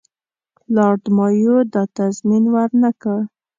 لارډ مایو دا تضمین ورنه کړ.